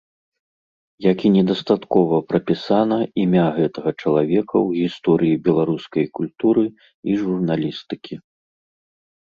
Як і недастаткова прапісана імя гэтага чалавека ў гісторыі беларускай культуры і журналістыкі.